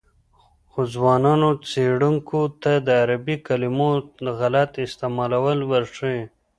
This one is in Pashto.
خو ځوانو څېړونکو ته د عربي کلمو غلط استعمال ورښيي.